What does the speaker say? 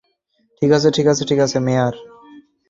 ঠিক আছে - ঠিক আছে, মেয়ার।